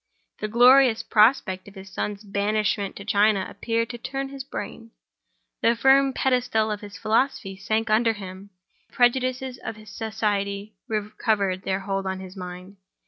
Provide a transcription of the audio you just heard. The glorious prospect of his son's banishment to China appeared to turn his brain. The firm pedestal of his philosophy sank under him; the prejudices of society recovered their hold on his mind.